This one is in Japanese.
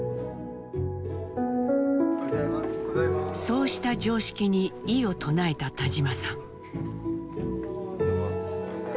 そうした「常識」に異を唱えた田島さん。